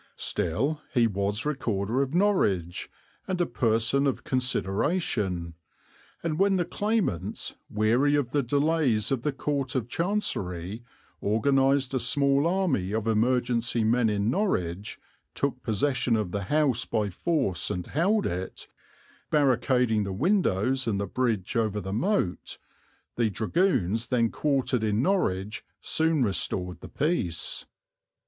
Still he was Recorder of Norwich and a person of consideration, and when the claimants, weary of the delays of the Court of Chancery, organized a small army of emergency men in Norwich, took possession of the house by force and held it, barricading the windows and the bridge over the moat, the dragoons then quartered in Norwich soon restored the peace.